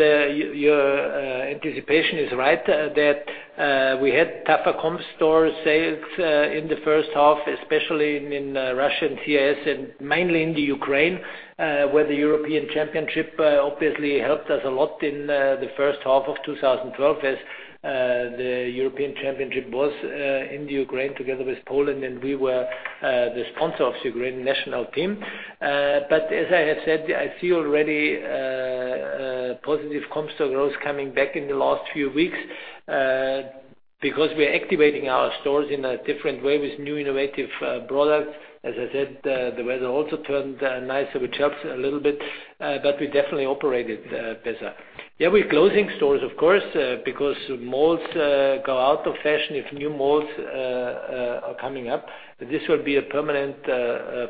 your anticipation is right. That we had tougher Comparable store sales in the first half, especially in Russia and CIS, and mainly in Ukraine, where the European Championship obviously helped us a lot in the first half of 2012, as the European Championship was in Ukraine together with Poland, and we were the sponsor of the Ukraine national team. As I have said, I see already positive Comparable store growth coming back in the last few weeks, because we're activating our stores in a different way with new innovative products. As I said, the weather also turned nicer, which helps a little bit. We definitely operated better. We're closing stores, of course, because malls go out of fashion if new malls are coming up. This will be a permanent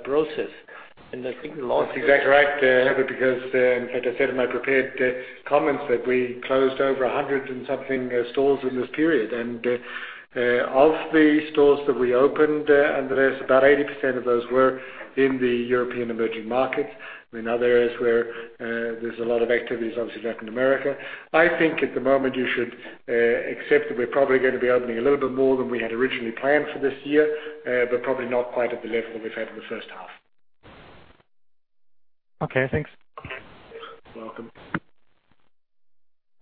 process. That's exactly right, Herbert, because as I said in my prepared comments, that we closed over 100 and something stores in this period. Of the stores that we opened, Andreas, about 80% of those were in the European emerging markets. In other areas where there's a lot of activities, obviously Latin America. I think at the moment you should accept that we're probably going to be opening a little bit more than we had originally planned for this year. Probably not quite at the level that we've had in the first half. Okay, thanks. You're welcome.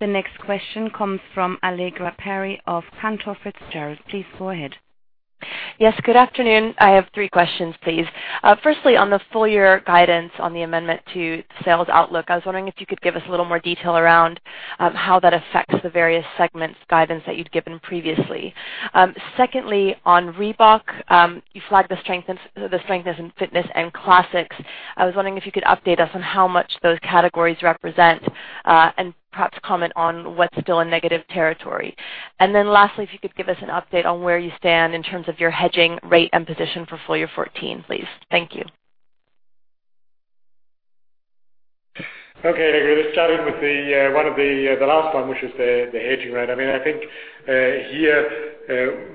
The next question comes from Allegra Perry of Cantor Fitzgerald. Please go ahead. Yes, good afternoon. I have three questions, please. Firstly, on the full-year guidance on the amendment to sales outlook, I was wondering if you could give us a little more detail around how that affects the various segments guidance that you'd given previously. Secondly, on Reebok, you flagged the strength is in fitness and classics. I was wondering if you could update us on how much those categories represent, and perhaps comment on what's still in negative territory. Lastly, if you could give us an update on where you stand in terms of your hedging rate and position for full year 2014, please. Thank you. Okay, Allegra. Let's start with the last one, which was the hedging rate. I think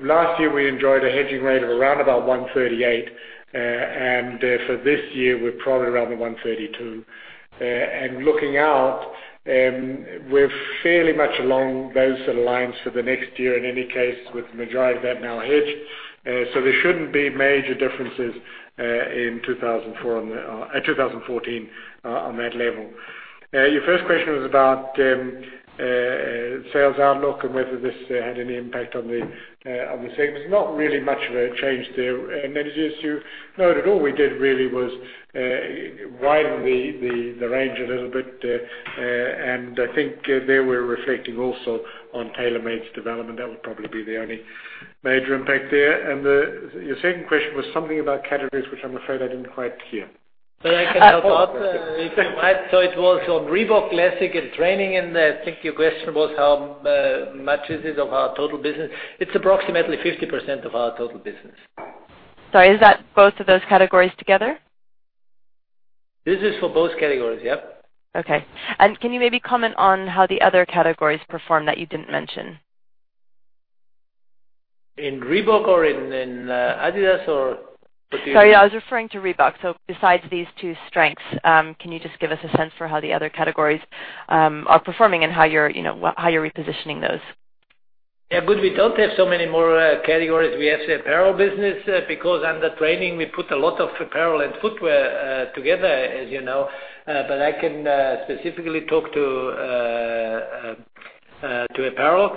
last year we enjoyed a hedging rate of around about 138. For this year, we're probably around the 132. Looking out, we're fairly much along those sort of lines for the next year in any case, with the majority of that now hedged. There shouldn't be major differences in 2014 on that level. Your first question was about sales outlook and whether this had any impact on the sales. There's not really much of a change there. As you noted, all we did really was widen the range a little bit. I think there we're reflecting also on TaylorMade's development. That would probably be the only major impact there. Your second question was something about categories, which I'm afraid I didn't quite hear. I can help out. It was on Reebok Classic and training, I think your question was how much is it of our total business? It's approximately 50% of our total business. Sorry, is that both of those categories together? This is for both categories, yep. Okay. Can you maybe comment on how the other categories performed that you didn't mention? In Reebok or in adidas? Sorry, I was referring to Reebok. Besides these two strengths, can you just give us a sense for how the other categories are performing and how you're repositioning those? Yeah. We don't have so many more categories. We have the apparel business, because under training, we put a lot of apparel and footwear together, as you know. I can specifically talk to apparel,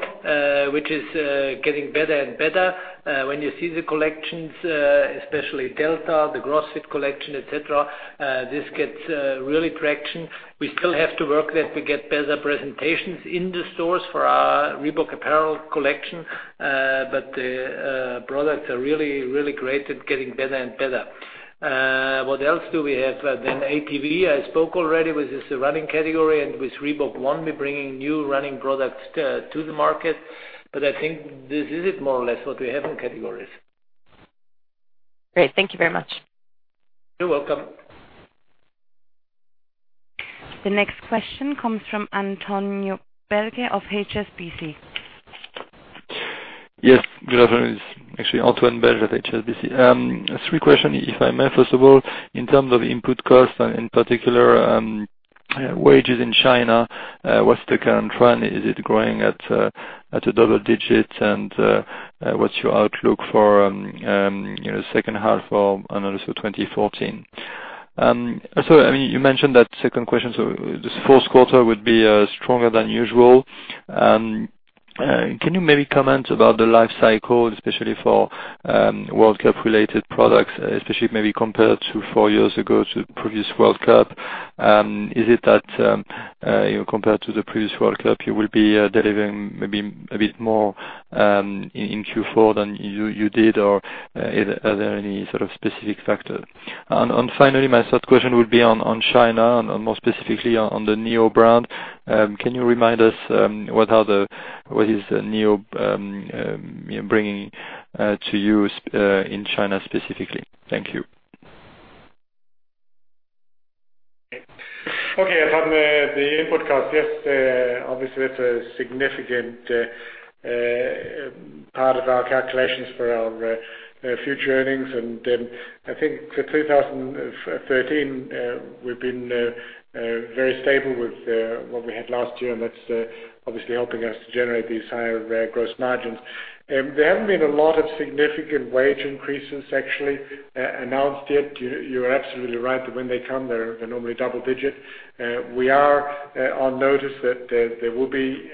which is getting better and better. When you see the collections, especially Delta, the CrossFit collection, et cetera, this gets really traction. We still have to work that we get better presentations in the stores for our Reebok apparel collection. The products are really great at getting better and better. What else do we have? ATV, I spoke already, which is the running category, and with Reebok One, we're bringing new running products to the market. I think this is it more or less what we have in categories. Great. Thank you very much. You're welcome. The next question comes from Antoine Belge of HSBC. Yes. Good afternoon. It's actually Antoine Belge at HSBC. Three questions, if I may. First of all, in terms of input costs and in particular, wages in China, what's the current trend? Is it growing at a double digit? What's your outlook for second half or another for 2014? You mentioned that second question, so this fourth quarter would be stronger than usual. Can you maybe comment about the life cycle, especially for World Cup related products, especially maybe compared to four years ago to previous World Cup? Is it that, compared to the previous World Cup, you will be delivering maybe a bit more in Q4 than you did, or are there any sort of specific factors? Finally, my third question would be on China, and more specifically on the adidas NEO brand. Can you remind us what is adidas NEO bringing to you in China specifically? Thank you. Okay. On the input cost, yes. Obviously, that's a significant part of our calculations for our future earnings. I think for 2013, we've been very stable with what we had last year, and that's obviously helping us to generate these higher gross margins. There haven't been a lot of significant wage increases actually announced yet. You're absolutely right that when they come, they're normally double digit. We are on notice that there will be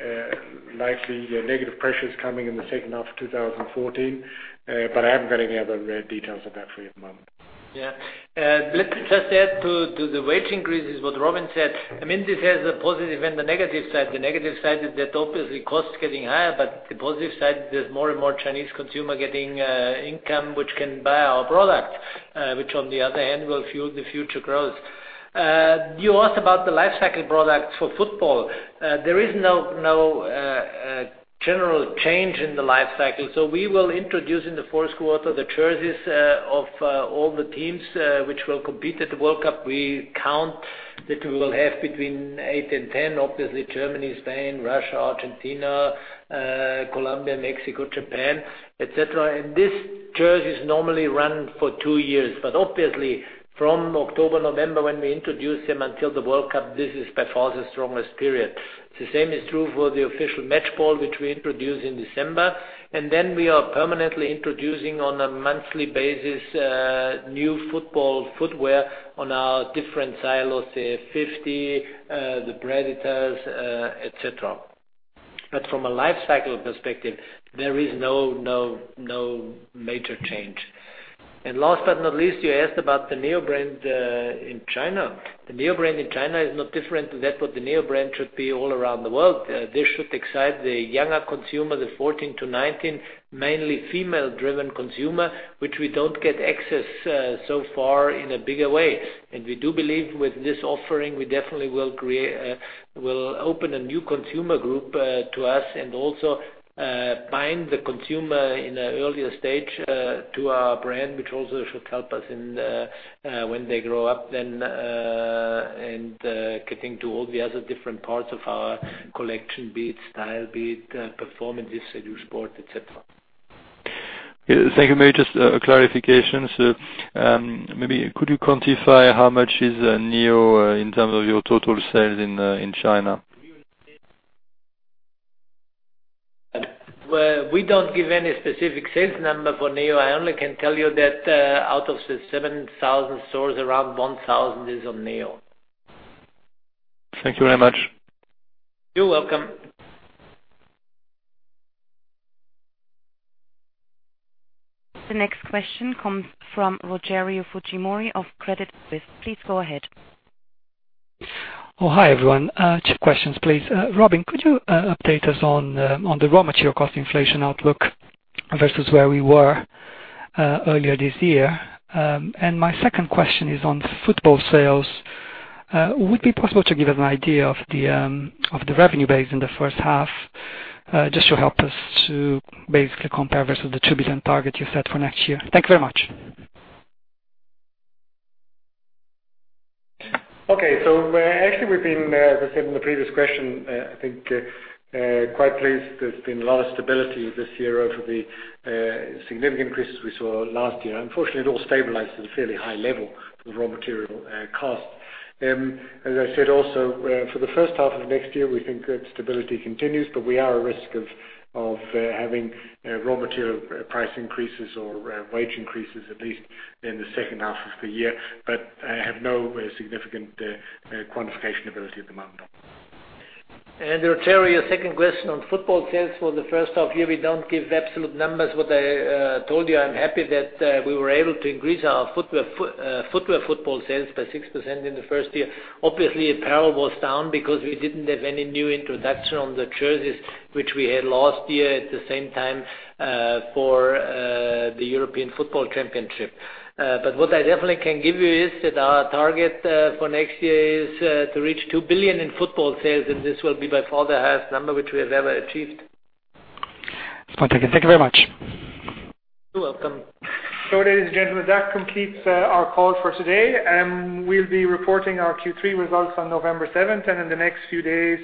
likely negative pressures coming in the second half of 2014, I haven't got any other details on that for you at the moment. Let me just add to the wage increases what Robin said. This has a positive and a negative side. The negative side is that obviously cost is getting higher, but the positive side is there's more and more Chinese consumer getting income which can buy our product, which on the other hand will fuel the future growth. You asked about the life cycle products for football. There is no general change in the life cycle. We will introduce in the fourth quarter the jerseys of all the teams which will compete at the World Cup. We count that we will have between 8 and 10, obviously Germany, Spain, Russia, Argentina, Colombia, Mexico, Japan, et cetera. These jerseys normally run for two years. Obviously from October, November, when we introduce them until the World Cup, this is by far the strongest period. The same is true for the official match ball, which we introduce in December, then we are permanently introducing on a monthly basis, new football footwear on our different silos, the F50, the Predator, et cetera. From a life cycle perspective, there is no major change. Last but not least, you asked about the Neo brand in China. The Neo brand in China is not different to that what the Neo brand should be all around the world. This should excite the younger consumer, the 14 to 19, mainly female-driven consumer, which we don't get access so far in a bigger way. We do believe with this offering, we definitely will open a new consumer group to us and also bind the consumer in an earlier stage to our brand, which also should help us when they grow up then, and getting to all the other different parts of our collection, be it style, be it performance, be it sport, et cetera. Thank you. Maybe just a clarification. Maybe could you quantify how much is Neo in terms of your total sales in China? We don't give any specific sales number for NEO. I only can tell you that out of the 7,000 stores, around 1,000 is on NEO. Thank you very much. You're welcome. The next question comes from Rogerio Fujimori of Credit Suisse. Please go ahead. Hi, everyone. Two questions, please. Robin, could you update us on the raw material cost inflation outlook versus where we were earlier this year? My second question is on football sales. Would it be possible to give us an idea of the revenue base in the first half, just to help us to basically compare versus the 2 billion target you set for next year? Thank you very much. Actually we've been, as I said in the previous question, I think quite pleased. There's been a lot of stability this year over the significant increases we saw last year. Unfortunately, it all stabilized at a fairly high level for the raw material costs. As I said also, for the first half of next year, we think that stability continues, but we are at risk of having raw material price increases or wage increases, at least in the second half of the year. I have no significant quantification ability at the moment. Rogerio, second question on football sales for the first half year. We don't give absolute numbers. What I told you, I'm happy that we were able to increase our footwear football sales by 6% in the first year. Obviously, apparel was down because we didn't have any new introduction on the jerseys, which we had last year at the same time, for the UEFA European Football Championship. What I definitely can give you is that our target for next year is to reach 2 billion in football sales, and this will be by far the highest number which we have ever achieved. Point taken. Thank you very much. You're welcome. Ladies and gentlemen, that completes our call for today. We'll be reporting our Q3 results on November 7th. In the next few days,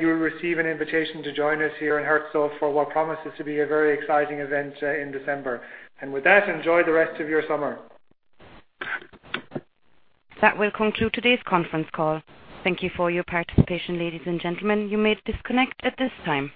you will receive an invitation to join us here in Herzogenaurach for what promises to be a very exciting event in December. With that, enjoy the rest of your summer. That will conclude today's conference call. Thank you for your participation, ladies and gentlemen. You may disconnect at this time.